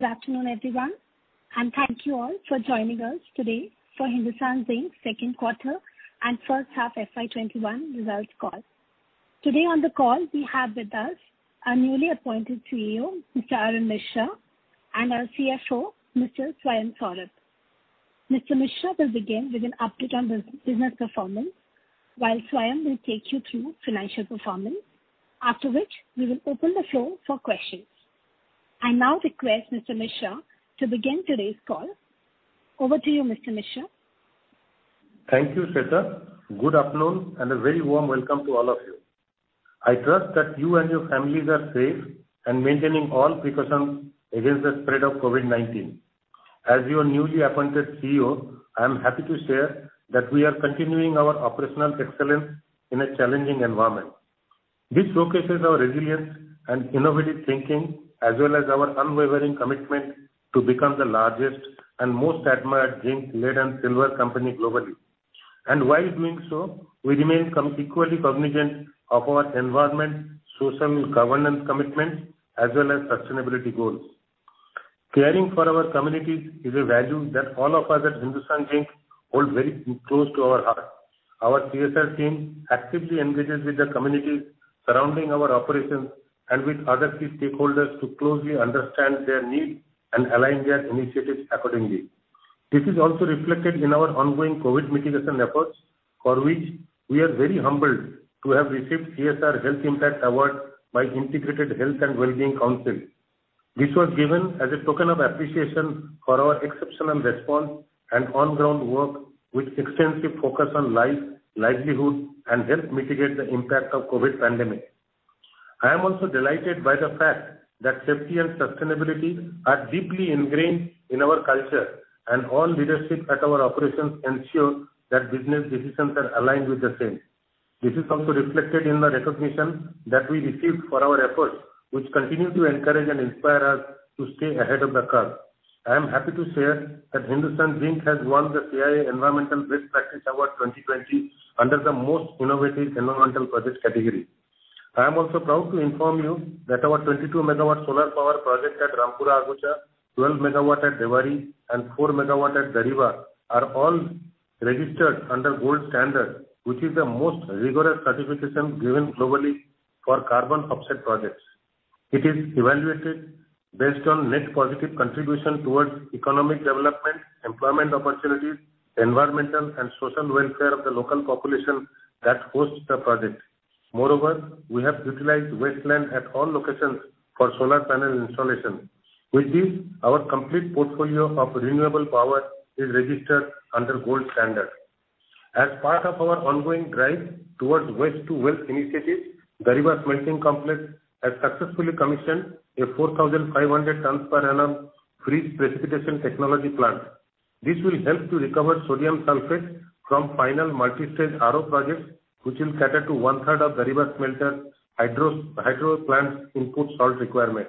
Good afternoon, everyone, thank you all for joining us today for Hindustan Zinc Second Quarter and First Half FY 2021 Results Call. Today on the call we have with us our newly appointed CEO, Mr. Arun Misra, and our CFO, Mr. Swayam Saurabh. Mr. Misra will begin with an update on business performance, while Swayam will take you through financial performance. After which, we will open the floor for questions. I now request Mr. Misra to begin today's call. Over to you, Mr. Misra. Thank you, Shweta. Good afternoon and a very warm welcome to all of you. I trust that you and your families are safe and maintaining all precautions against the spread of COVID-19. As your newly appointed CEO, I'm happy to share that we are continuing our operational excellence in a challenging environment. This showcases our resilience and innovative thinking, as well as our unwavering commitment to become the largest and most admired Zinc-Lead and Silver company globally. While doing so, we remain equally cognizant of our environment, social and governance commitments, as well as sustainability goals. Caring for our communities is a value that all of us at Hindustan Zinc hold very close to our heart. Our CSR team actively engages with the communities surrounding our operations and with other key stakeholders to closely understand their needs and align their initiatives accordingly. This is also reflected in our ongoing COVID-19 mitigation efforts, for which we are very humbled to have received CSR Health Impact Award by Integrated Health & Wellbeing Council. This was given as a token of appreciation for our exceptional response and on-ground work with extensive focus on life, livelihood, and help mitigate the impact of COVID-19 pandemic. I am also delighted by the fact that safety and sustainability are deeply ingrained in our culture, and all leadership at our operations ensure that business decisions are aligned with the same. This is also reflected in the recognition that we received for our efforts, which continue to encourage and inspire us to stay ahead of the curve. I am happy to share that Hindustan Zinc has won the CII Environmental Best Practice Award 2020 under the Most Innovative Environmental Projects category. I am also proud to inform you that our 22 MW solar power project at Rampura Agucha, 12 MW at Debari, and 4 MW at Dariba are all registered under Gold Standard, which is the most rigorous certification given globally for carbon offset projects. It is evaluated based on net positive contribution towards economic development, employment opportunities, environmental and social welfare of the local population that hosts the project. Moreover, we have utilized wasteland at all locations for solar panel installation. With this, our complete portfolio of renewable power is registered under Gold Standard. As part of our ongoing drive towards waste to wealth initiatives, Dariba's smelting complex has successfully commissioned a 4,500 tons per annum freeze precipitation technology plant. This will help to recover sodium sulfate from final multi-stage RO projects, which will cater to one-third of Dariba smelter hydro plant input salt requirement.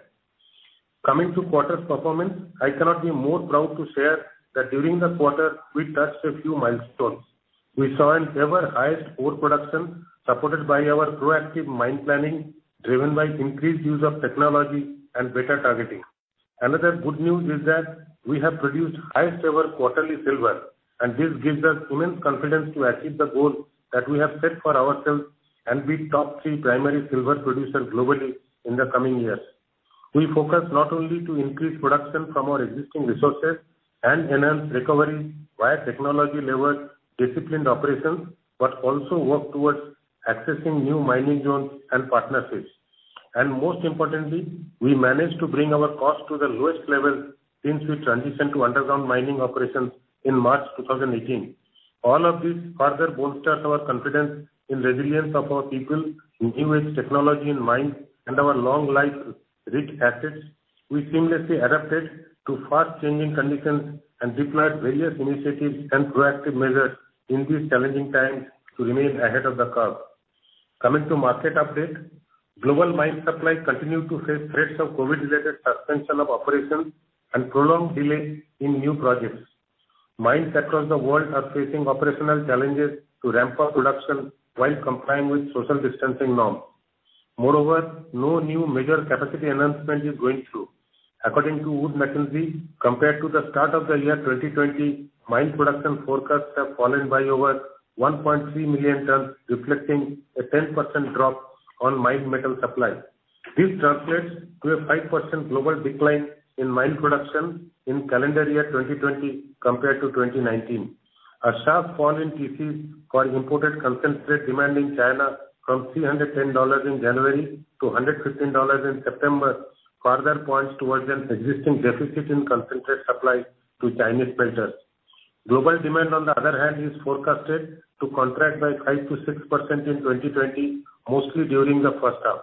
Coming to quarter performance, I cannot be more proud to share that during the quarter, we touched a few milestones. We saw an ever highest ore production supported by our proactive mine planning, driven by increased use of technology and better targeting. This gives us immense confidence to achieve the goal that we have set for ourselves and be top three primary silver producer globally in the coming years. We focus not only to increase production from our existing resources and enhance recovery via technology-led disciplined operations, but also work towards accessing new mining zones and partnerships. Most importantly, we managed to bring our cost to the lowest level since we transitioned to underground mining operations in March 2018. All of this further bolsters our confidence in resilience of our people, new age technology in mind, and our long life rich assets. We seamlessly adapted to fast-changing conditions and deployed various initiatives and proactive measures in these challenging times to remain ahead of the curve. Coming to market update. Global mine supply continued to face threats of COVID-related suspension of operations and prolonged delays in new projects. Mines across the world are facing operational challenges to ramp up production while complying with social distancing norms. Moreover, no new major capacity enhancement is going through. According to Wood Mackenzie, compared to the start of the year 2020, mine production forecasts have fallen by over 1.3 million tons, reflecting a 10% drop on mined metal supply. This translates to a 5% global decline in mine production in calendar year 2020 compared to 2019. A sharp fall in TC for imported concentrate demand in China from $310 in January to $115 in September further points towards an existing deficit in concentrate supply to Chinese smelters. Global demand, on the other hand, is forecasted to contract by 5%-6% in 2020, mostly during the first half.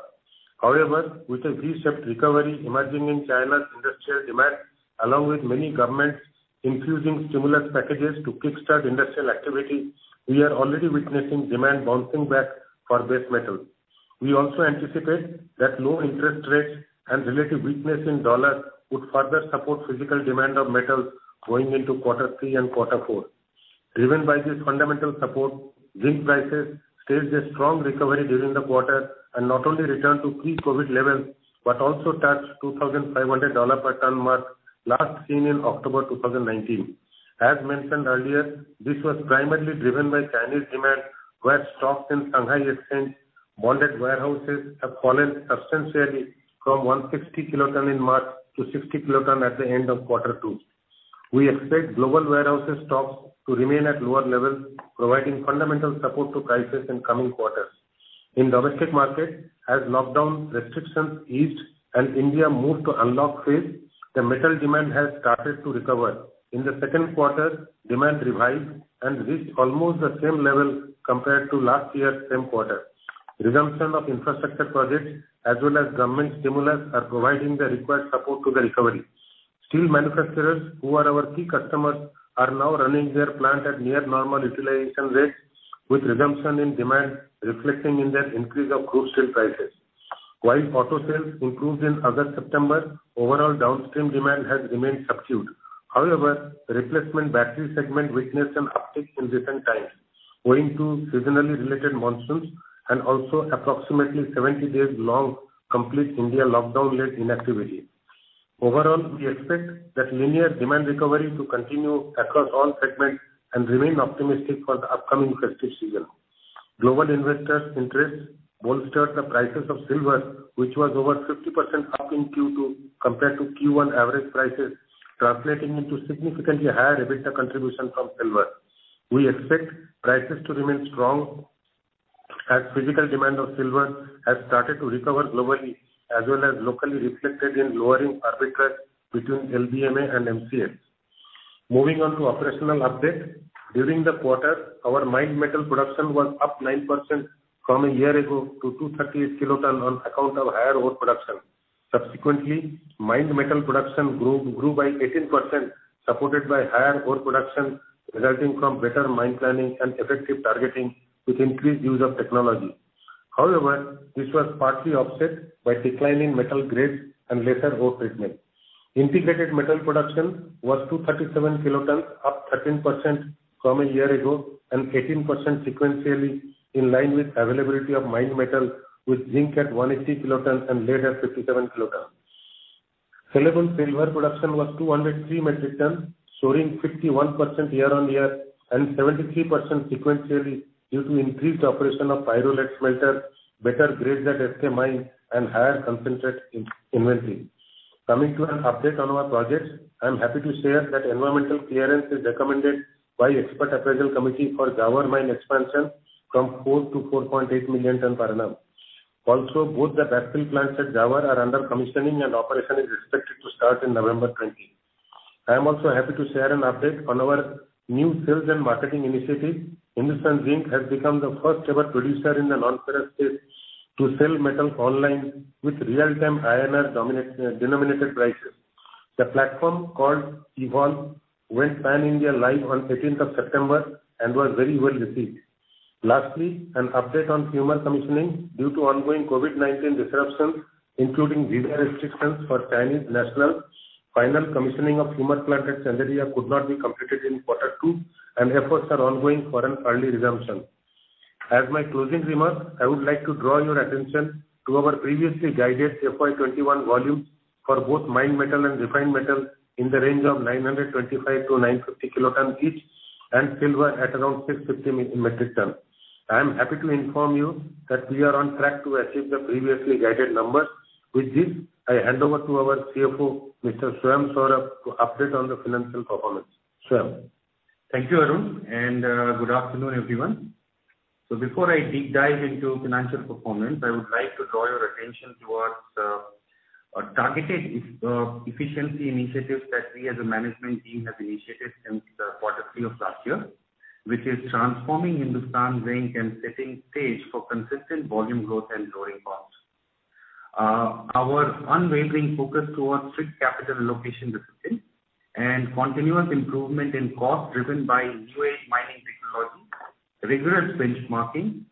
With a V-shaped recovery emerging in China's industrial demand, along with many governments introducing stimulus packages to kickstart industrial activity, we are already witnessing demand bouncing back for base metal. We also anticipate that low interest rates and relative weakness in U.S. dollar would further support physical demand of metals going into quarter three and quarter four. Driven by this fundamental support, zinc prices staged a strong recovery during the quarter and not only returned to pre-COVID levels, but also touched $2,500 per ton mark, last seen in October 2019. As mentioned earlier, this was primarily driven by Chinese demand, where stocks in Shanghai Futures Exchange bonded warehouses have fallen substantially from 160 kiloton in March to 60 kiloton at the end of quarter two. We expect global warehouses stocks to remain at lower levels, providing fundamental support to prices in coming quarters. In domestic market, as lockdown restrictions eased and India moved to unlock phase, the metal demand has started to recover. In the second quarter, demand revived and reached almost the same level compared to last year's same quarter. Resumption of infrastructure projects, as well as government stimulus, are providing the required support to the recovery. Steel manufacturers, who are our key customers, are now running their plant at near normal utilization rates, with resumption in demand reflecting in their increase of crude steel prices. Replacement battery segment witnessed an uptick in recent times owing to seasonally related monsoons and also approximately 70 days long complete India lockdown-led inactivity. We expect that linear demand recovery to continue across all segments and remain optimistic for the upcoming festive season. Global investor interest bolstered the prices of silver, which was over 50% up in Q2 compared to Q1 average prices, translating into significantly higher EBITDA contribution from silver. We expect prices to remain strong as physical demand of silver has started to recover globally, as well as locally reflected in lowering arbitrage between LBMA and MCX. Moving on to operational update. During the quarter, our mined metal production was up 9% from a year ago to 238 kiloton on account of higher ore production. Subsequently, mined metal production grew by 18%, supported by higher ore production resulting from better mine planning and effective targeting with increased use of technology. However, this was partly offset by declining metal grades and lesser ore treatment. Integrated metal production was 237 kilotons, up 13% from a year ago and 18% sequentially, in line with availability of mined metal, with zinc at 180 kilotons and lead at 57 kilotons. Sellable silver production was 203 metric tons, soaring 51% year on year and 73% sequentially due to increased operation of pyro lead smelter, better grades at SK Mine and higher concentrate inventory. Coming to an update on our projects. I'm happy to share that environmental clearance is recommended by Expert Appraisal Committee for Zawar Mine expansion from four to 4.8 million tons per annum. Both the battery plants at Zawar are under commissioning and operation is expected to start in November 20. I am happy to share an update on our new sales and marketing initiative. Hindustan Zinc has become the first-ever producer in the non-ferrous space to sell metal online with real-time INR-denominated prices. The platform, called Evolve, went pan-India live on September 18th and was very well received. An update on Fumer commissioning. Due to ongoing COVID-19 disruptions, including visa restrictions for Chinese nationals, final commissioning of Fumer plant at Chanderiya could not be completed in quarter two. Efforts are ongoing for an early resumption. As my closing remarks, I would like to draw your attention to our previously guided FY 2021 volumes for both mined metal and refined metal in the range of 925-950 kiloton each, and silver at around 650 metric ton. I am happy to inform you that we are on track to achieve the previously guided numbers. With this, I hand over to our CFO, Mr. Swayam Saurabh, to update on the financial performance. Swayam. Thank you, Arun. Good afternoon, everyone. Before I deep dive into financial performance, I would like to draw your attention towards our targeted efficiency initiatives that we as a management team have initiated since the quarter three of last year, which is transforming Hindustan Zinc and setting stage for consistent volume growth and lowering costs. Our unwavering focus towards strict capital allocation discipline and continuous improvement in cost driven by new age mining technology, rigorous benchmarking,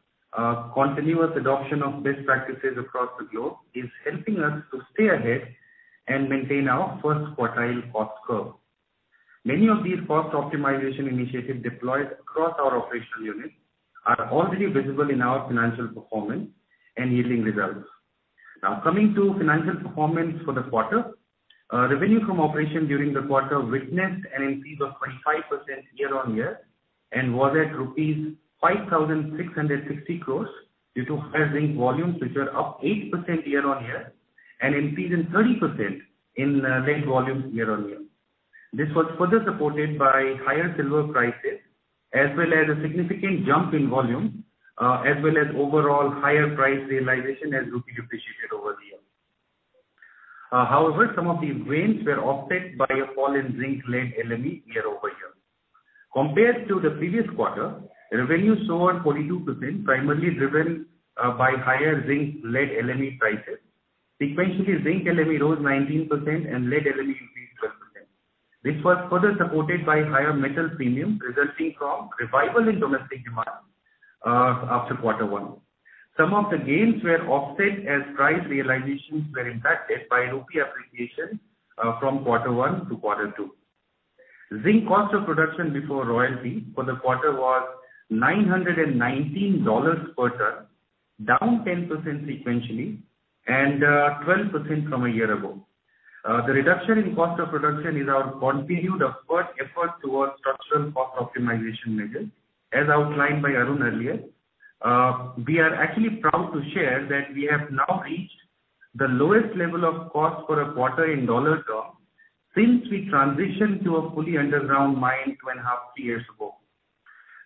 continuous adoption of best practices across the globe is helping us to stay ahead and maintain our first quartile cost curve. Many of these cost optimization initiatives deployed across our operational units are already visible in our financial performance and yielding results. Now, coming to financial performance for the quarter. Revenue from operation during the quarter witnessed an increase of 25% year-over-year and was at rupees 5,660 crores due to higher Zinc volumes, which are up 8% year-over-year, and increase in 30% in Lead volumes year-over-year. This was further supported by higher Silver prices, as well as a significant jump in volume, as well as overall higher price realization as rupee appreciated over the year. Some of these gains were offset by a fall in Zinc Lead LME year-over-year. Compared to the previous quarter, revenue soared 42%, primarily driven by higher Zinc Lead LME prices. Sequentially, Zinc LME rose 19% and Lead LME increased 12%. This was further supported by higher metal premium resulting from revival in domestic demand. After quarter one. Some of the gains were offset as price realizations were impacted by rupee appreciation from quarter one to quarter two. Zinc cost of production before royalty for the quarter was $919 per ton, down 10% sequentially and 12% from a year-ago. The reduction in cost of production is our continued effort towards structural cost optimization measures, as outlined by Arun earlier. We are actually proud to share that we have now reached the lowest level of cost for a quarter in dollar term since we transitioned to a fully underground mine two and a half, three years ago.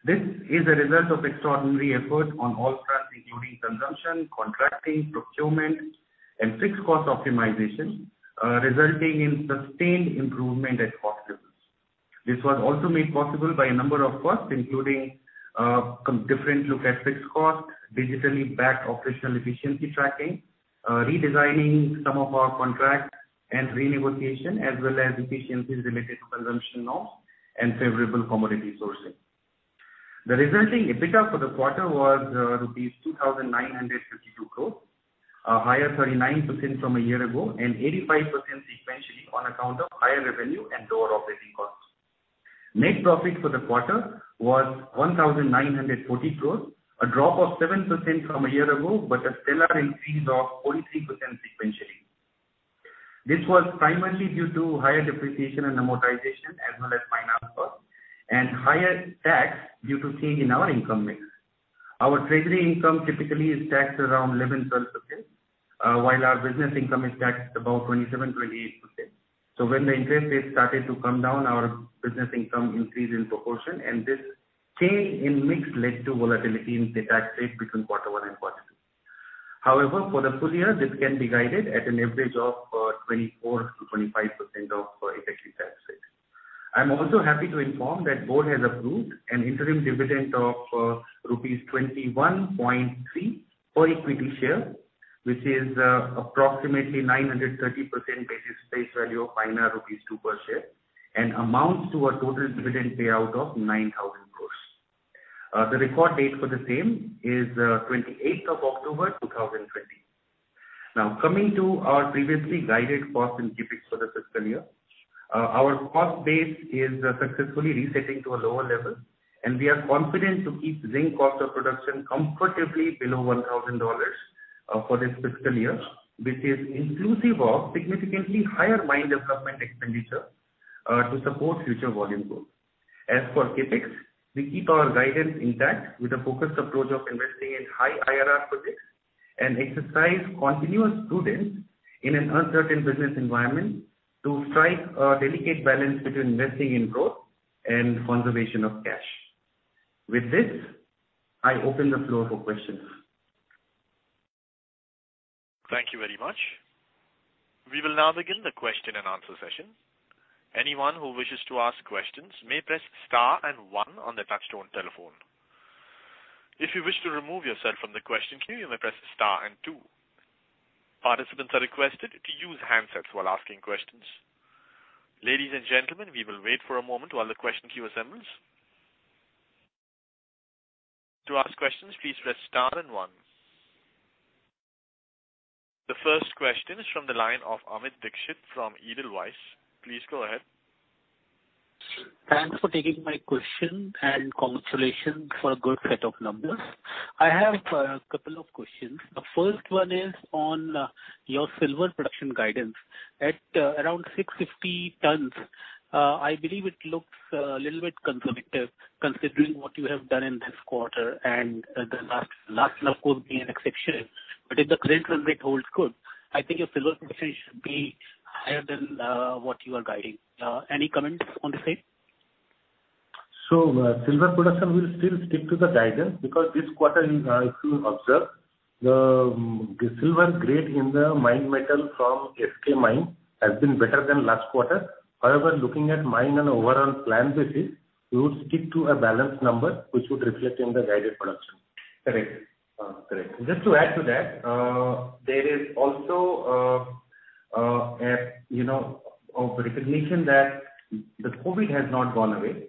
This is a result of extraordinary effort on all fronts, including consumption, contracting, procurement, and fixed-cost optimization, resulting in sustained improvement at cost base. This was also made possible by a number of firsts, including a different look at fixed cost, digitally-backed operational efficiency tracking, redesigning some of our contracts and renegotiation, as well as efficiencies related to consumption norms and favorable commodity sourcing. The resulting EBITDA for the quarter was rupees 2,952 crore, higher 39% from a year ago and 85% sequentially on account of higher revenue and lower operating costs. Net profit for the quarter was 1,940 crore, a drop of 7% from a year ago, but a stellar increase of 43% sequentially. This was primarily due to higher depreciation and amortization, as well as finance cost and higher tax due to change in our income mix. Our treasury income typically is taxed around 11%-12%, while our business income is taxed about 27%-28%. When the interest rate started to come down, our business income increased in proportion and this change in mix led to volatility in the tax rate between quarter one and quarter two. However, for the full year, this can be guided at an average of 24%-25% of effective tax rate. I'm also happy to inform that Board has approved an interim dividend of rupees 21.3 per equity share, which is approximately 930% face value of rupees 2 per share and amounts to a total dividend payout of 9,000 crore. The record date for the same is October 28th 2020. Now, coming to our previously guided costs and CapEx for this fiscal year. Our cost base is successfully resetting to a lower level, and we are confident to keep zinc cost of production comfortably below $1,000 for this fiscal year, which is inclusive of significantly higher mine development expenditure to support future volume growth. As for CapEx, we keep our guidance intact with a focused approach of investing in high IRR projects and exercise continuous prudence in an uncertain business environment to strike a delicate balance between investing in growth and conservation of cash. With this, I open the floor for questions. Thank you very much. We will now begin the question and answer session. Anyone who wishes to ask questions may press star and one on their touchtone telephone. If you wish to remove yourself from the question queue, you may press star and two. Participants are requested to use handsets while asking questions. Ladies and gentlemen, we will wait for a moment while the question queue assembles. To ask questions, please press star and one. The first question is from the line of Amit Dixit from Edelweiss. Please go ahead. Thanks for taking my question. Congratulations for a good set of numbers. I have a couple of questions. The first one is on your Silver production guidance. At around 650 tons, I believe it looks a little bit conservative considering what you have done in this quarter and the last. Last year, of course, being an exception. If the current run rate holds good, I think your Silver production should be higher than what you are guiding. Any comments on the same? Silver production will still stick to the guidance because this quarter, if you observe, the Silver grade in the mined metal from SK Mine has been better than last quarter. However, looking at mine on an overall plan basis, we would stick to a balanced number which would reflect in the guided production. Correct. Just to add to that, there is also a recognition that the COVID has not gone away.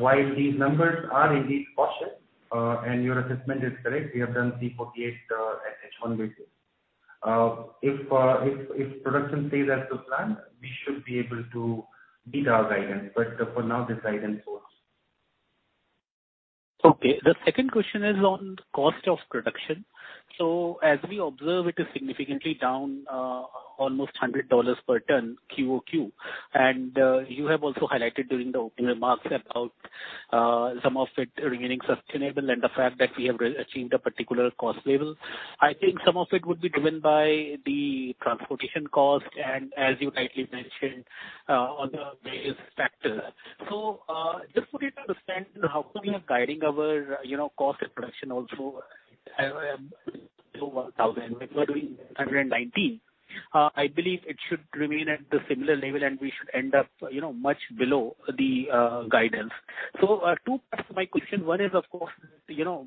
While these numbers are indeed cautious and your assessment is correct, we have done C48 at H1 basis. If production stays as to plan, we should be able to beat our guidance. For now, this guidance holds. Okay. The second question is on cost of production. As we observe, it is significantly down almost $100 per ton QoQ. You have also highlighted during the opening remarks about some of it remaining sustainable and the fact that we have achieved a particular cost level. Just for me to understand how come you are guiding our cost of production also below $1,000 if we're doing $919. I believe it should remain at the similar level and we should end up much below the guidance. Two parts to my question. One is, of course,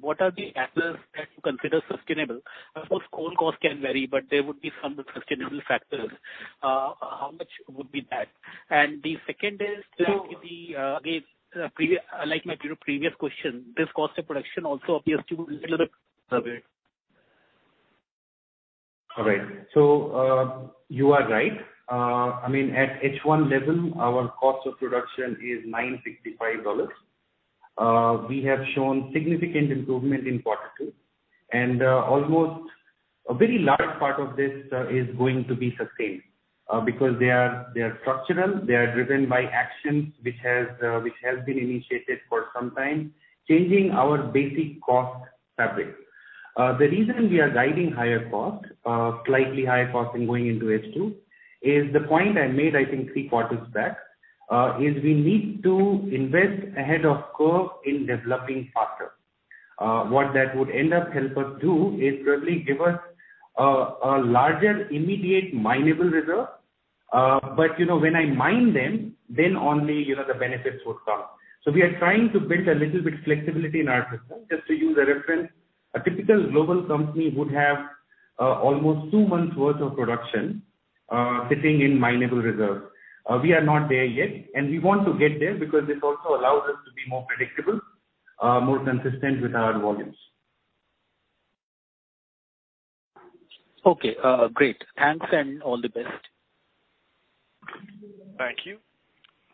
what are the apples that you consider sustainable? Of course, coal cost can vary, but there would be some sustainable factors. How much would be that? The second is So- Like my previous question, this cost of production also obviously will All right. You are right. At H1 level, our cost of production is $965. We have shown significant improvement in quarter two, almost a very large part of this is going to be sustained because they are structural, they are driven by actions which have been initiated for some time, changing our basic cost fabric. The reason we are guiding higher cost, slightly higher cost in going into H2, is the point I made, I think, three quarters back, is we need to invest ahead of curve in developing faster. What that would end up help us do is probably give us a larger immediate minable reserve. When I mine them, then only the benefits would come. We are trying to build a little bit flexibility in our system. Just to use a reference, a typical global company would have almost two months worth of production sitting in minable reserve. We are not there yet, and we want to get there because this also allows us to be more predictable, more consistent with our volumes. Okay, great. Thanks and all the best. Thank you.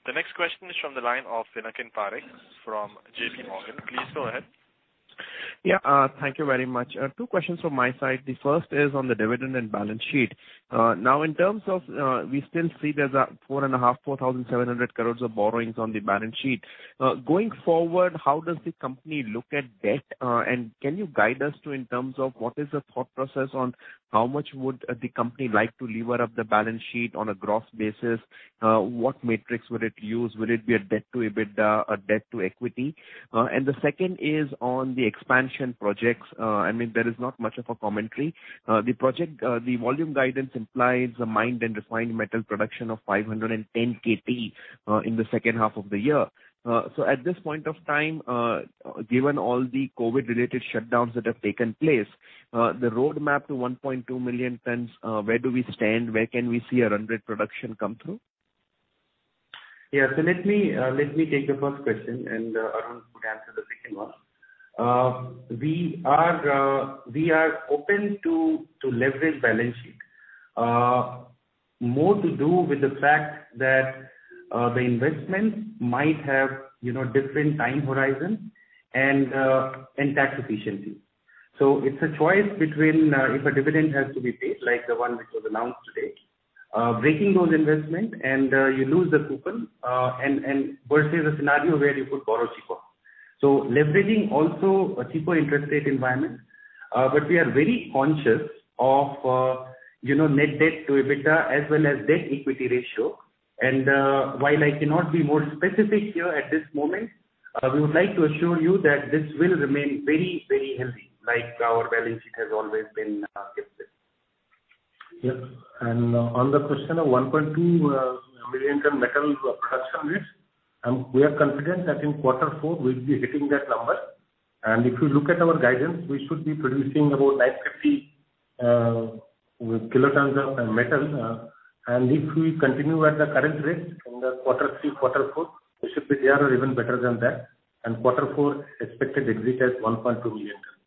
The next question is from the line of Pinakin Parekh from JPMorgan. Please go ahead. Thank you very much. Two questions from my side. The first is on the dividend and balance sheet. We still see there is 4,500 crores-4,700 crores of borrowings on the balance sheet. Going forward, how does the company look at debt? Can you guide us to what is the thought process on how much would the company like to lever up the balance sheet on a gross basis? What metrics would it use? Would it be a debt to EBITDA or debt to equity? The second is on the expansion projects. There is not much of a commentary. The volume guidance implies a mined and refined metal production of 510 kt in the second half of the year. At this point of time, given all the COVID related shutdowns that have taken place, the roadmap to 1.2 million tons, where do we stand? Where can we see a run rate production come through? Yeah. Let me take the first question, and Arun could answer the second one. We are open to leverage balance sheet. More to do with the fact that the investments might have different time horizon and tax efficiency. It's a choice between, if a dividend has to be paid, like the one which was announced today, breaking those investment and you lose the coupon, versus a scenario where you could borrow cheaper. Leveraging also a cheaper interest rate environment. We are very conscious of net debt to EBITDA as well as debt equity ratio. While I cannot be more specific here at this moment, we would like to assure you that this will remain very healthy, like our balance sheet has always been kept it. Yes. On the question of 1.2 million ton metal production rates, we are confident that in quarter four, we'll be hitting that number. If you look at our guidance, we should be producing about 950 kilotons of metal. If we continue at the current rate in the quarter three, quarter four, we should be there or even better than that. Quarter four expected to exit at 1.2 million tons.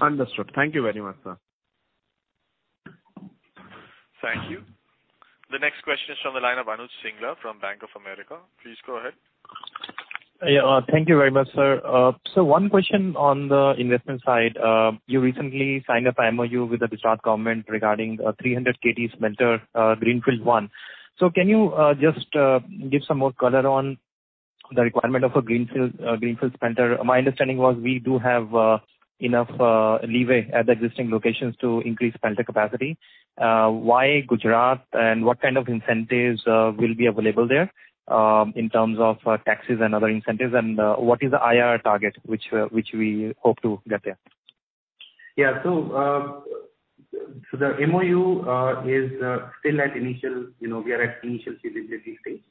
Understood. Thank you very much, sir. Thank you. The next question is from the line of Anuj Singla from Bank of America. Please go ahead. Thank you very much, sir. One question on the investment side. You recently signed a MOU with the Gujarat government regarding a 300 kt smelter, greenfield one. Can you just give some more color on the requirement of a greenfield smelter? My understanding was we do have enough leeway at the existing locations to increase smelter capacity. Why Gujarat, and what kind of incentives will be available there, in terms of taxes and other incentives? What is the IRR target which we hope to get there? Yeah. The MOU is still at initial feasibility stage.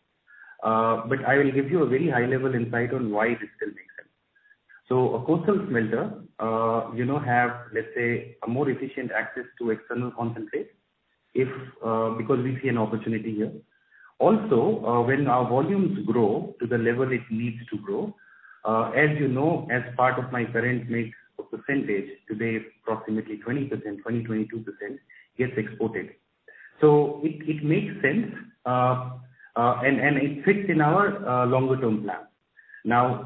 I will give you a very high-level insight on why this still makes sense. A coastal smelter have, let's say, a more efficient access to external concentrate because we see an opportunity here. Also, when our volumes grow to the level it needs to grow, as you know, as part of my current mix of percentage, today approximately 20%, 22% gets exported. It makes sense, and it fits in our longer term plan.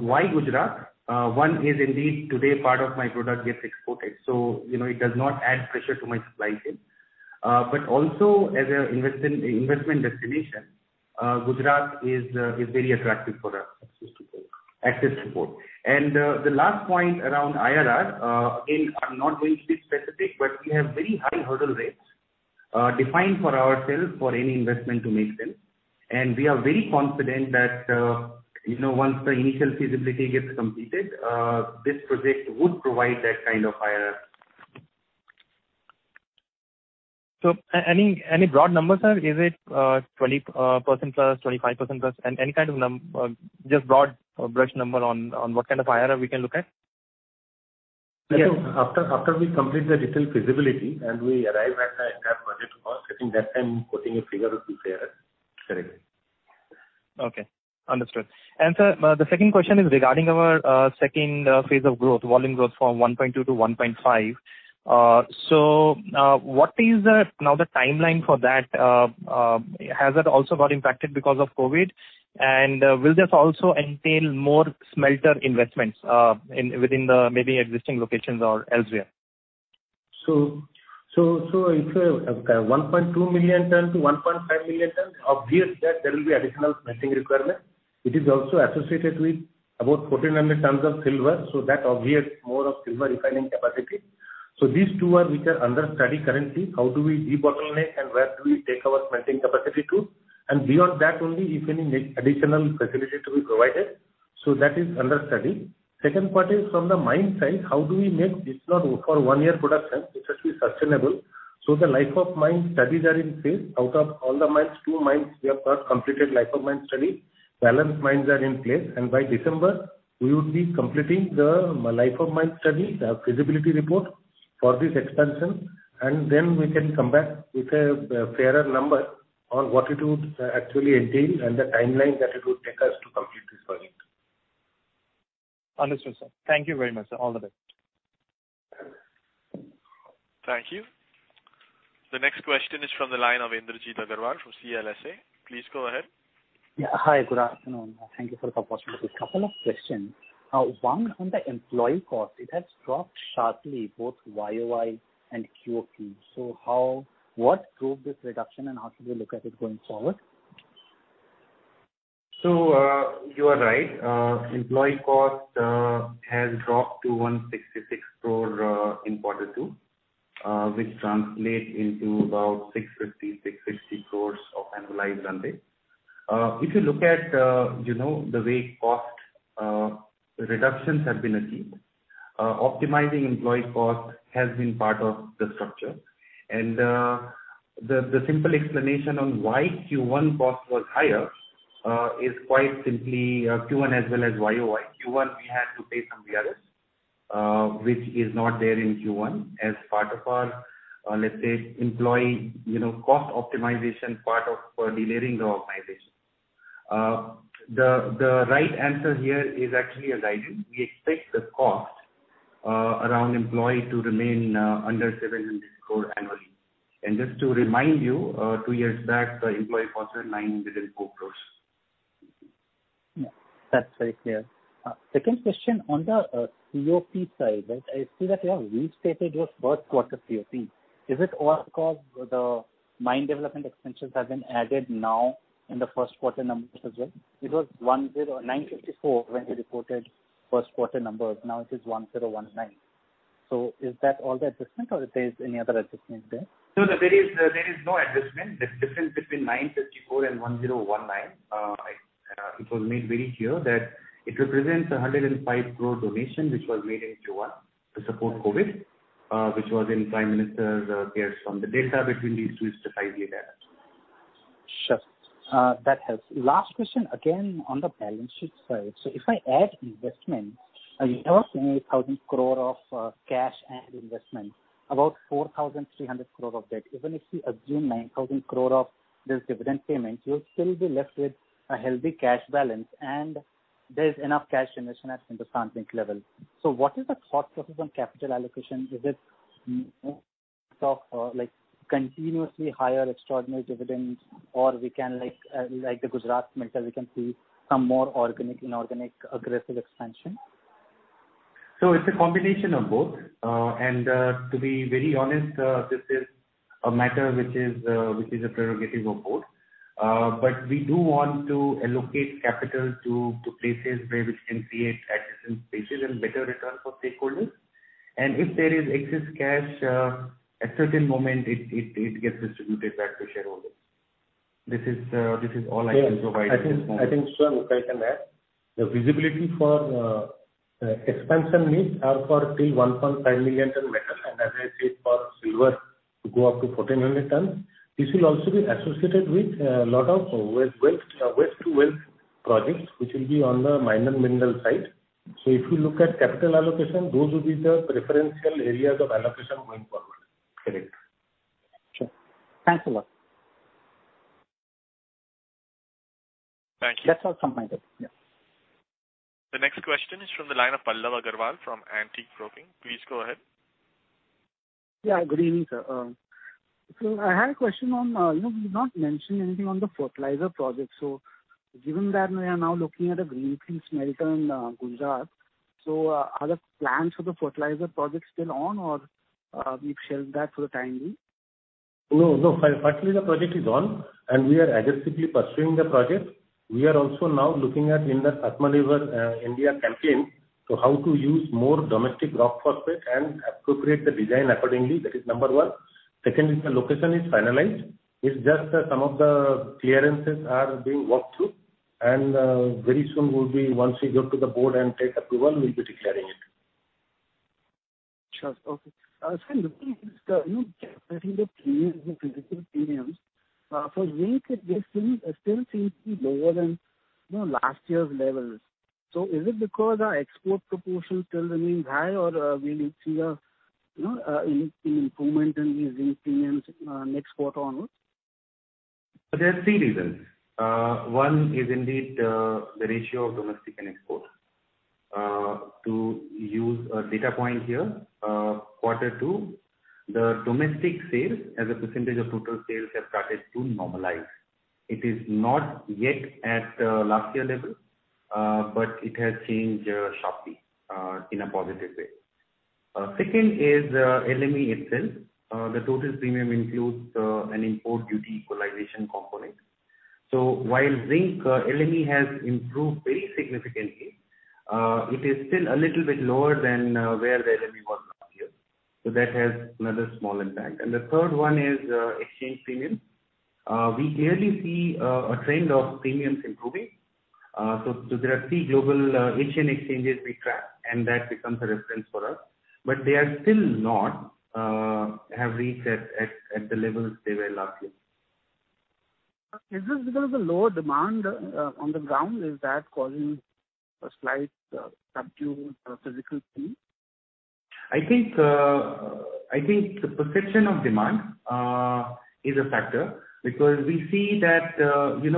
Why Gujarat? One is indeed today part of my product gets exported, so it does not add pressure to my supply chain. Also as an investment destination, Gujarat is very attractive for us. Access to port. Access to port. The last point around IRR, again, I am not going to be specific, but we have very high hurdle rates defined for ourselves for any investment to make sense. We are very confident that once the initial feasibility gets completed, this project would provide that kind of IRR. Any broad numbers, sir? Is it 20%+, 25%+? Any kind of just broad brush number on what kind of IRR we can look at? After we complete the detailed feasibility and we arrive at the entire budget cost, I think that time quoting a figure would be fair and correct. Okay, understood. Sir, the second question is regarding our phase II of growth, volume growth from 1.2 to 1.5. What is now the timeline for that? Has that also got impacted because of COVID? Will this also entail more smelter investments within the maybe existing locations or elsewhere? If you have 1.2 million ton to 1.5 million ton, obvious that there will be additional smelting requirement. It is also associated with about 1,400 tons of silver, so that obvious more of silver refining capacity. These two we have under study currently, how do we debottleneck and where do we take our smelting capacity to? Beyond that only if any additional facility to be provided. That is under study. Second part is from the mine side, how do we make this not for one year production, it has to be sustainable. The life of mine studies are in place. Out of all the mines, two mines we have got completed life of mine study. Balance mines are in place and by December we would be completing the life of mine study, the feasibility report for this expansion. We can come back with a fairer number on what it would actually entail and the timeline that it would take us to complete this project. Understood, sir. Thank you very much, sir. All the best. Thank you. The next question is from the line of Indrajit Agarwal from CLSA. Please go ahead. Hi, good afternoon. Thank you for the opportunity. Couple of questions. One, on the employee cost, it has dropped sharply both YoY and QoQ. What drove this reduction and how should we look at it going forward? You are right. Employee cost has dropped to 166 crore in Q2, which translates into about 650 crore-660 crore of annualized run rate. If you look at the way cost reductions have been achieved, optimizing employee cost has been part of the structure. The simple explanation on why Q1 cost was higher is quite simply Q1 as well as YoY. Q1, we had to pay some VRS which is not there in Q1 as part of our, let's say, employee cost optimization, part of de-layering the organization. The right answer here is actually a guidance. We expect the cost around employee to remain under 700 crore annually. Just to remind you, two years back, employee cost was 904 crore. Yeah, that's very clear. Second question, on the COP side, right? I see that you have restated your first quarter COP. Is it all because the mine development expenses has been added now in the first quarter numbers as well? It was $954 when you reported first quarter numbers. Now it is $1,019. Is that all the adjustment or there's any other adjustment there? No, there is no adjustment. The difference between 954 and 1,019, it was made very clear that it represents 105 crore donation, which was made in Q1 to support COVID, which was in PM CARES Fund. The data between these two is precisely that. Sure. That helps. Last question, again on the balance sheet side. If I add investment, a 12,000 crore of cash and investment, about 4,300 crore of debt. Even if we assume 9,000 crore of this dividend payment, you'll still be left with a healthy cash balance and there's enough cash generation at Hindustan Zinc level. What is the thought process on capital allocation? Is it continuously higher extraordinary dividends or we can, like the Gujarat smelter, we can see some more organic, inorganic, aggressive expansion? It's a combination of both. To be very honest, this is a matter which is a prerogative of both. We do want to allocate capital to places where we can create additional spaces and better return for stakeholders. If there is excess cash, at certain moment it gets distributed back to shareholders. This is all I can provide at this moment. I think, sir, if I can add. The visibility for expansion needs are for till 1.5 million tons metal and as I said for silver to go up to 1,400 tons. This will also be associated with a lot of waste to wealth projects which will be on the minor mineral side. If you look at capital allocation, those will be the preferential areas of allocation going forward. Correct. Sure. Thanks a lot. Thank you. That's all from my end. Yeah. The next question is from the line of Pallav Agarwal from Antique Broking. Please go ahead. Yeah. Good evening, sir. I had a question on, you've not mentioned anything on the fertilizer project. Given that we are now looking at a greenfield smelter in Gujarat, so are the plans for the fertilizer project still on or we've shelved that for the time being? Firstly, the project is on and we are aggressively pursuing the project. We are also now looking at in that Atmanirbhar Bharat campaign to how to use more domestic rock phosphate and appropriate the design accordingly. That is number one. Secondly, the location is finalized. It's just some of the clearances are being walked through and very soon we'll be, once we go to the board and take approval, we'll be declaring it. Sure. Okay. Sir, looking at this physical premiums, for Zinc it still seems to be lower than last year's levels. Is it because our export proportion still remains high or we will see a in improvement in these premiums next quarter onwards? There are three reasons. One is indeed the ratio of domestic and export. To use a data point here, quarter two, the domestic sales as a percentage of total sales have started to normalize. It is not yet at last year level, but it has changed sharply in a positive way. Second is LME itself. The total premium includes an import duty equalization component. While Zinc LME has improved very significantly, it is still a little bit lower than where the LME was last year. That has another small impact. The third one is exchange premium. We clearly see a trend of premiums improving. There are three global Asian exchanges we track, and that becomes a reference for us. They still have not reached at the levels they were last year. Is this because of the lower demand on the ground? Is that causing a slight subdued physical Zinc? I think the perception of demand is a factor because we see that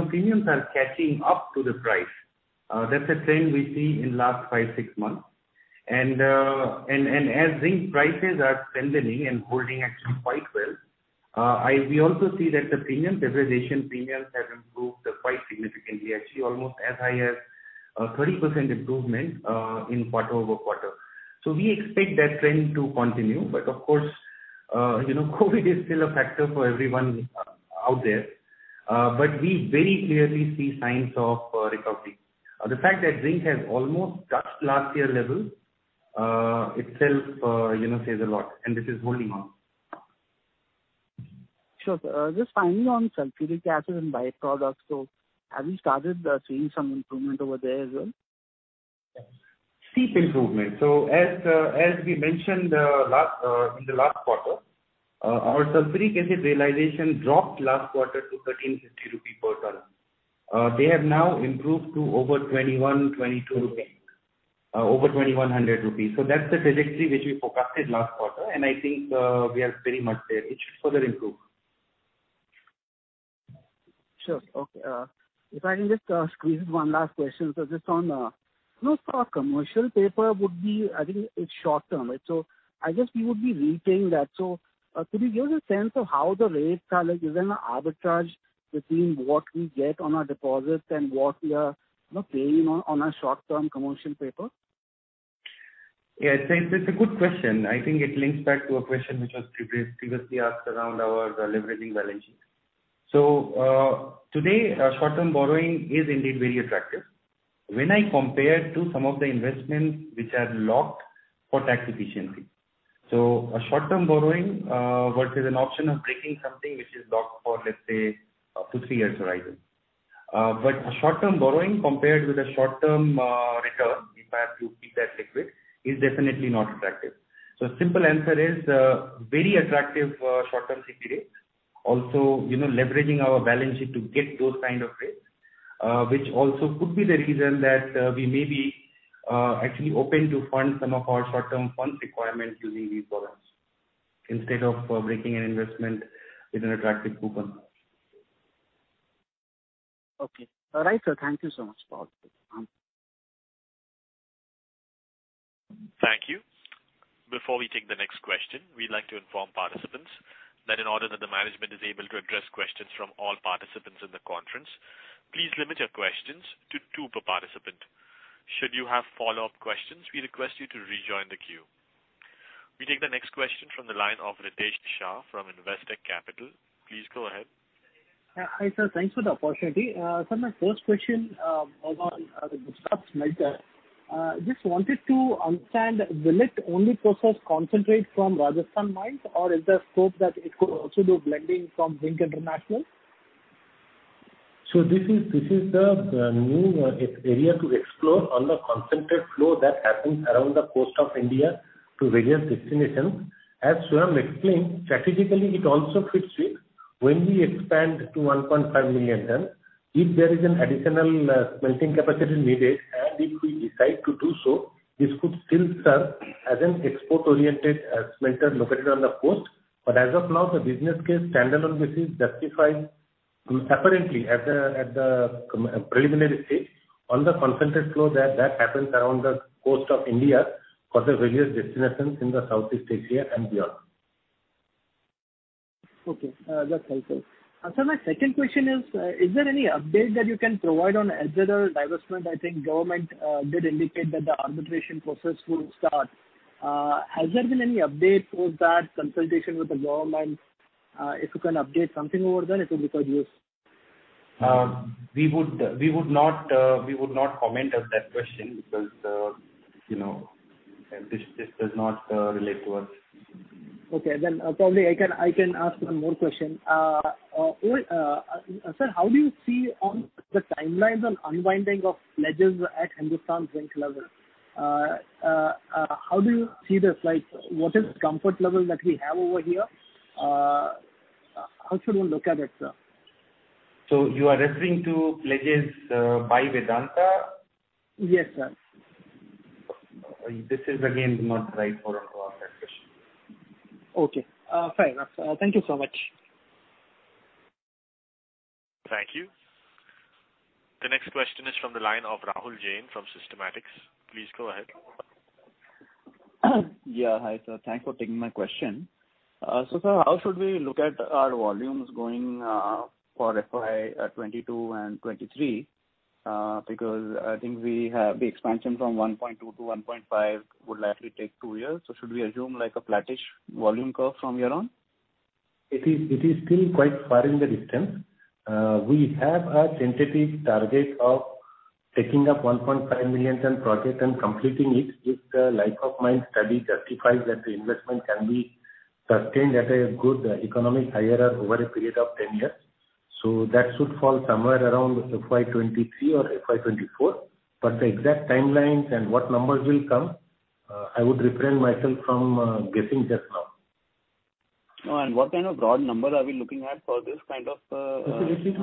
premiums are catching up to the price. That's a trend we see in last five, six months. As Zinc prices are strengthening and holding action quite well, we also see that the premium, realization premiums have improved quite significantly. Actually, almost as high as a 30% improvement in quarter-over-quarter. We expect that trend to continue but of course, COVID is still a factor for everyone out there. We very clearly see signs of recovery. The fact that Zinc has almost touched last year level itself says a lot, and this is holding on. Sure. Just finally on sulfuric acid and by-products, have you started seeing some improvement over there as well? Steep improvement. As we mentioned in the last quarter, our sulfuric acid realization dropped last quarter to 1,350 rupee per ton. They have now improved to over 2,100 rupees, INR 2,200. That's the trajectory which we forecasted last quarter, and I think we are very much there. It should further improve. Sure. Okay. If I can just squeeze one last question. Just on commercial paper, I think it's short term, right? I guess we would be retaining that. Could you give us a sense of how the rates are? Is there an arbitrage between what we get on our deposits and what we are paying on our short term commercial paper? Yeah. I think that's a good question. I think it links back to a question which was previously asked around our leveraging balance sheet. Today, short term borrowing is indeed very attractive when I compare to some of the investments which are locked for tax efficiency. A short term borrowing versus an option of breaking something which is locked for, let's say, up to three years horizon. A short term borrowing compared with a short term return, if I have to keep that liquid, is definitely not attractive. Simple answer is very attractive short term CP rates. Leveraging our balance sheet to get those kind of rates, which also could be the reason that we may be actually open to fund some of our short term funds requirements using these borrowings instead of breaking an investment with an attractive coupon. Okay. All right, sir. Thank you so much for all this. Thank you. Before we take the next question, we would like to inform participants that in order that the management is able to address questions from all participants in the conference, please limit your questions to two per participant. Should you have follow-up questions, we request you to rejoin the queue. We take the next question from the line of Ritesh Shah from Investec Capital. Please go ahead. Hi, sir. Thanks for the opportunity. Sir, my first question was on the Vizag smelter. Just wanted to understand, will it only process concentrate from Rajasthan mines or is there scope that it could also do blending from Zinc International? This is the new area to explore on the concentrate flow that happens around the coast of India to various destinations. As Swayam explained, strategically, it also fits with when we expand to 1.5 million tonnes. If there is an additional smelting capacity needed and if we decide to do so, this could still serve as an export-oriented smelter located on the coast. As of now, the business case standalone basis justifies apparently at the preliminary stage on the concentrate flow that happens around the coast of India for the various destinations in the Southeast Asia and beyond. Okay. That's helpful. Sir, my second question is there any update that you can provide on HZL divestment? I think government did indicate that the arbitration process would start. Has there been any update post that consultation with the government? If you can update something over there, it would be of use. We would not comment on that question because this does not relate to us. Okay. Probably I can ask one more question. Sir, how do you see on the timelines on unwinding of pledges at Hindustan Zinc level? How do you see this? Like what is the comfort level that we have over here? How should one look at it, sir? You are referring to pledges by Vedanta? Yes, sir. This is again not right for a quarter question. Okay. Fair enough. Thank you so much. Thank you. The next question is from the line of Rahul Jain from Systematix. Please go ahead. Yeah, hi sir. Thanks for taking my question. Sir, how should we look at our volumes going for FY 2022 and FY 2023? Because I think we have the expansion from 1.2 to 1.5 would likely take two years. Should we assume a flattish volume curve from here on? It is still quite far in the distance. We have a tentative target of taking up a 1.5 million tons project and completing it if the life of mine study justifies that the investment can be sustained at a good economic IRR over a period of 10 years. That should fall somewhere around FY 2023 or FY 2024. The exact timelines and what numbers will come, I would refrain myself from guessing just now. What kind of broad number are we looking at for this kind of. If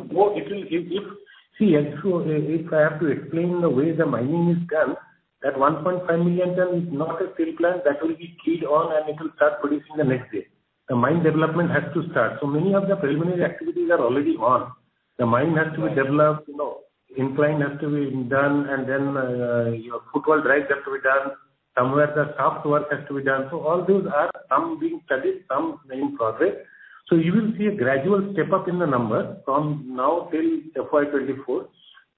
I have to explain the way the mining is done, that 1.5 million tons is not a steel plant that will be keyed on and it will start producing the next day. The mine development has to start. Many of the preliminary activities are already on. The mine has to be developed, incline has to be done, your footwall drives have to be done. Somewhere the shaft work has to be done. All those are some being studied, some in progress. You will see a gradual step-up in the number from now till FY 2024.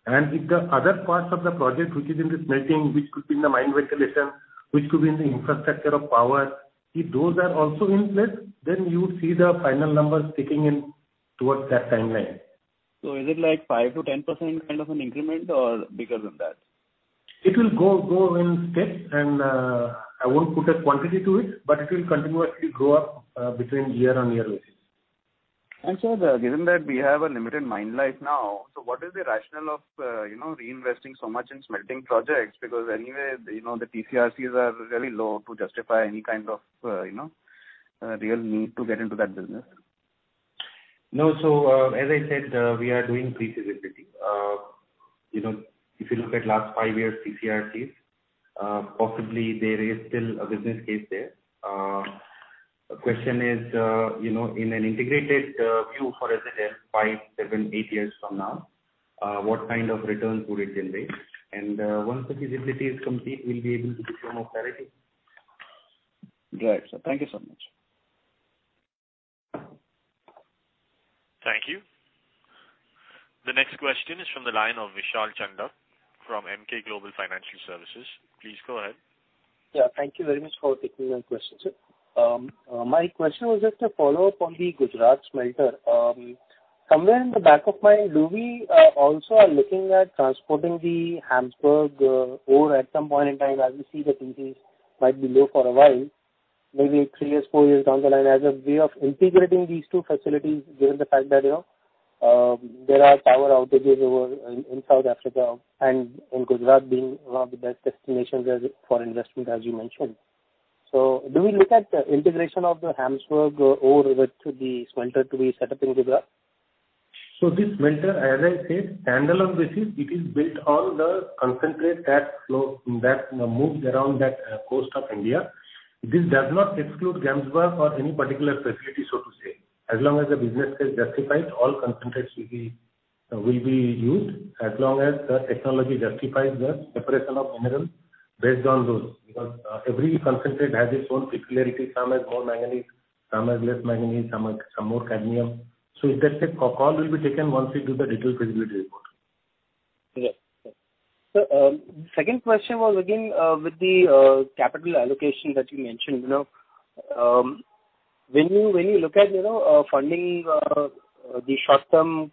If the other parts of the project, which is in the smelting, which could be in the mine ventilation, which could be in the infrastructure of power, if those are also in place, you would see the final numbers kicking in towards that timeline. Is it 5%-10% kind of an increment or bigger than that? It will go in steps, and I won't put a quantity to it, but it will continuously grow up between year-on-year basis. Sir, given that we have a limited mine life now, so what is the rationale of reinvesting so much in smelting projects? Anyway, the TCRCs are really low to justify any kind of real need to get into that business. No. As I said, we are doing pre-feasibility. If you look at last five years TCRCs, possibly there is still a business case there. Question is, in an integrated view for HZL five, seven, eight years from now, what kind of returns would it generate? Once the feasibility is complete, we will be able to determine clarity. Right, sir. Thank you so much. Thank you. The next question is from the line of Vishal Chandak from Emkay Global Financial Services. Please go ahead. Thank you very much for taking my question, sir. My question was just a follow-up on the Gujarat smelter. Somewhere in the back of mind, are we also looking at transporting the Gamsberg ore at some point in time as we see the TCRCs might be low for a while, maybe three years, four years down the line, as a way of integrating these two facilities, given the fact that there are power outages over in South Africa and in Gujarat being one of the best destinations as for investment, as you mentioned. Do we look at integration of the Gamsberg ore with the smelter to be set up in Gujarat? This smelter, as I said, standalone basis, it is built on the concentrate that moves around that coast of India. This does not exclude Gamsberg or any particular facility, so to say. As long as the business case justifies, all concentrates will be used as long as the technology justifies the separation of minerals based on those. Because every concentrate has its own peculiarity. Some has more manganese, some has less manganese, some more cadmium. With that said, a call will be taken once we do the detailed feasibility report. Sir, second question was again with the capital allocation that you mentioned. When you look at funding the short-term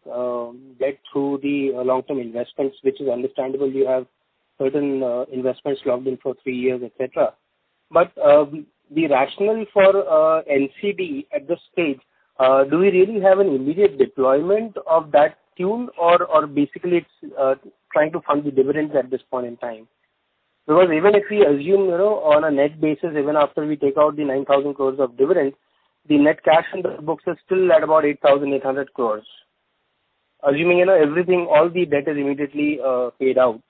debt through the long-term investments, which is understandable, you have certain investments locked in for three years, et cetera. But the rationale for NCD at this stage, do we really have an immediate deployment of that tune or basically it's trying to fund the dividends at this point in time? Because even if we assume on a net basis, even after we take out the 9,000 crores of dividend, the net cash on the books is still at about 8,800 crores. Assuming everything, all the debt is immediately paid out.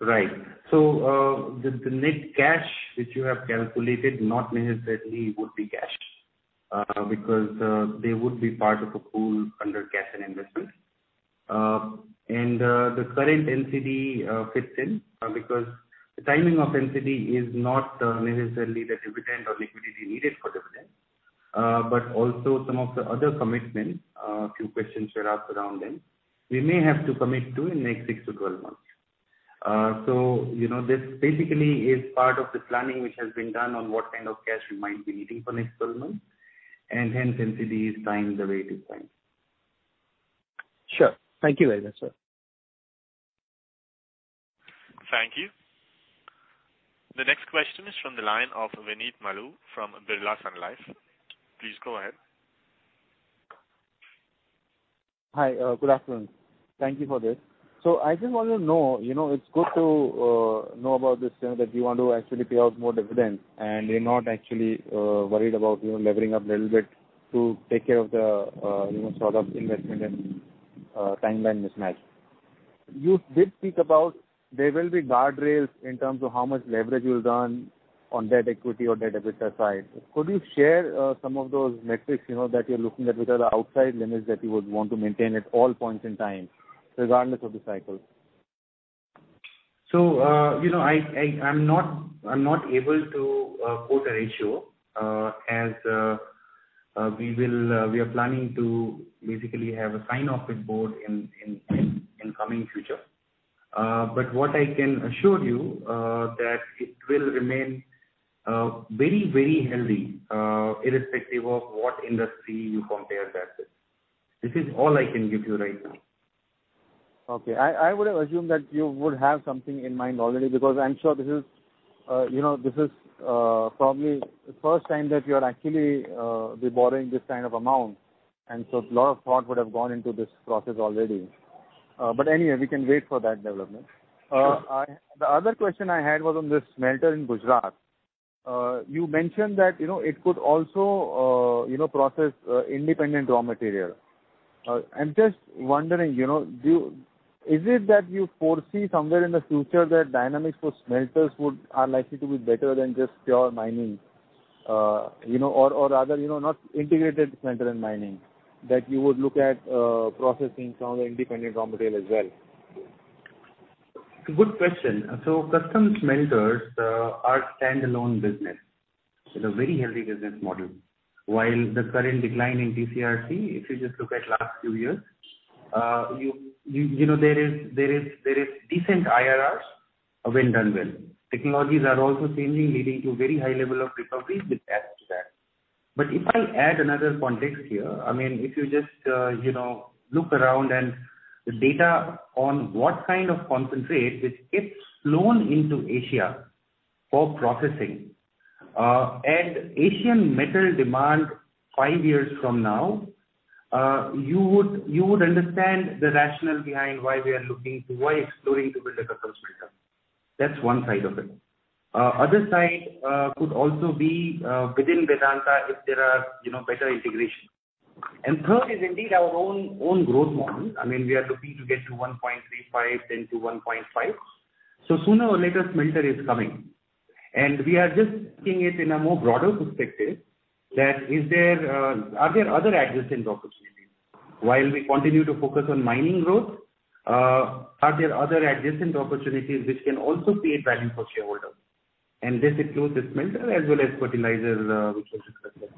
Right. The net cash which you have calculated not necessarily would be cash, because they would be part of a pool under cash and investments. The current NCD fits in because the timing of NCD is not necessarily the dividend or liquidity needed for dividend, but also some of the other commitments, few questions were asked around them. We may have to commit to in next 6 to 12 months. This basically is part of the planning which has been done on what kind of cash we might be needing for next 12 months, and hence NCD is timed the way it is timed. Sure. Thank you very much, sir. Thank you. The next question is from the line of Vineet Maloo from Birla Sun Life. Please go ahead. Hi, good afternoon. Thank you for this. I just want to know, it's good to know about this, that you want to actually pay out more dividends, and you're not actually worried about levering up a little bit to take care of the sort of investment and timeline mismatch. You did speak about there will be guardrails in terms of how much leverage you'll run on debt equity or debt EBITDA side. Could you share some of those metrics that you're looking at, which are the outside limits that you would want to maintain at all points in time, regardless of the cycle? I'm not able to quote a ratio as we are planning to basically have a sign-off with board in coming future. What I can assure you, that it will remain very healthy, irrespective of what industry you compare that with. This is all I can give you right now. Okay. I would have assumed that you would have something in mind already, because I'm sure this is probably the first time that you're actually be borrowing this kind of amount. A lot of thought would have gone into this process already. Anyway, we can wait for that development. Sure. The other question I had was on the smelter in Gujarat. You mentioned that it could also process independent raw material. I'm just wondering, is it that you foresee somewhere in the future that dynamics for smelters are likely to be better than just pure mining? Rather, not integrated smelter and mining, that you would look at processing some of the independent raw material as well? It's a good question. Custom smelter are standalone business. It's a very healthy business model. While the current decline in TCRC, if you just look at last few years, there is decent IRRs when done well. Technologies are also changing, leading to very high level of recoveries which adds to that. If I add another context here, if you just look around and the data on what kind of concentrate, which gets flown into Asia for processing, and Asian metal demand five years from now, you would understand the rationale behind why we are exploring to build a custom smelter. That's one side of it. Other side could also be within Vedanta, if there are better integration. Third is indeed our own growth model. We are looking to get to 1.35 then to 1.5. Sooner or later, smelter is coming. We are just looking it in a more broader perspective, that are there other adjacent opportunities? While we continue to focus on mining growth, are there other adjacent opportunities which can also create value for shareholders? This includes the smelter as well as fertilizers, which was discussed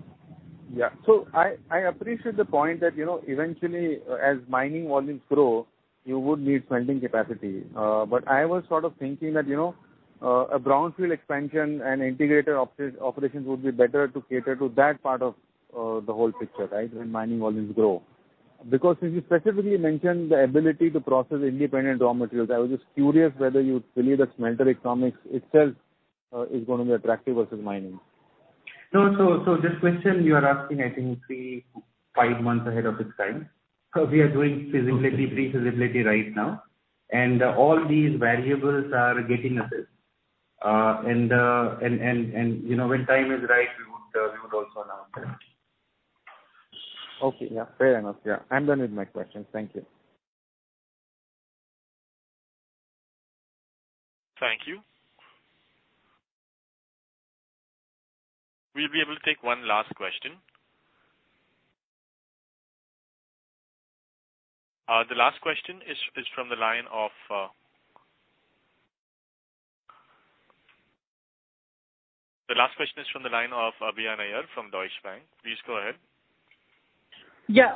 earlier. I appreciate the point that eventually, as mining volumes grow, you would need smelting capacity. I was sort of thinking that a brownfield expansion and integrated operations would be better to cater to that part of the whole picture, right, when mining volumes grow? Since you specifically mentioned the ability to process independent raw materials, I was just curious whether you believe that smelter economics itself is going to be attractive versus mining. No. This question you are asking, I think three to five months ahead of its time. We are doing feasibility, pre-feasibility right now, and all these variables are getting assessed. When time is right, we would also announce that. Okay. Yeah. Fair enough. Yeah. I'm done with my questions. Thank you. Thank you. We'll be able to take one last question. The last question is from the line of Abhi Agarwal from Deutsche Bank. Please go ahead. Yeah.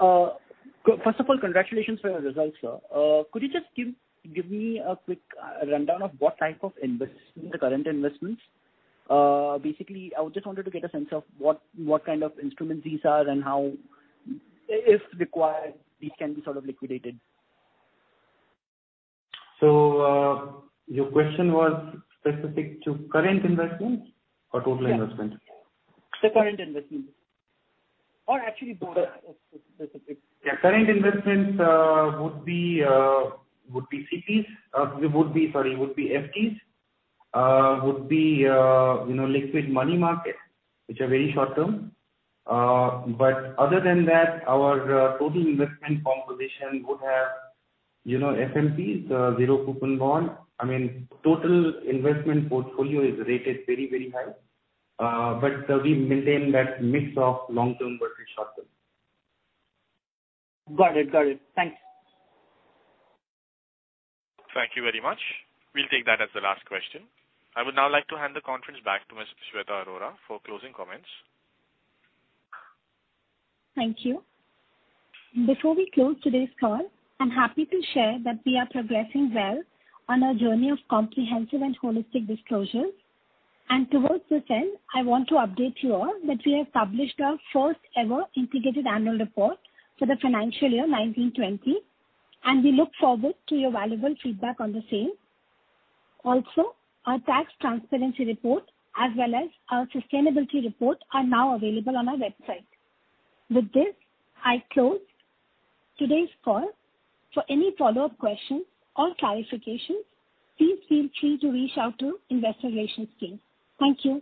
First of all, congratulations for your results, sir. Could you just give me a quick rundown of what type of investments, the current investments? Basically, I just wanted to get a sense of what kind of instruments these are and how, if required, these can be sort of liquidated. Your question was specific to current investments or total investment? The current investments. Actually both, if specific. Yeah. Current investments would be FDs, would be liquid money market, which are very short-term. Other than that, our total investment composition would have FMPs, zero coupon bond. Total investment portfolio is rated very high. We maintain that mix of long-term versus short-term. Got it. Thanks. Thank you very much. We will take that as the last question. I would now like to hand the conference back to Ms. Shweta Arora for closing comments. Thank you. Before we close today's call, I'm happy to share that we are progressing well on our journey of comprehensive and holistic disclosures. Towards this end, I want to update you all that we have published our first ever integrated annual report for the financial year 2019-2020, and we look forward to your valuable feedback on the same. Also, our tax transparency report as well as our sustainability report are now available on our website. With this, I close today's call. For any follow-up questions or clarifications, please feel free to reach out to investor relations team. Thank you.